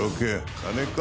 金か？